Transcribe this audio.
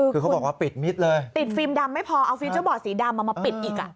คือเขาบอกว่าปิดมิดเลยติดฟิลมดำไม่พอเอาฟิลโจ่บอร์สสีดำมามาอ่า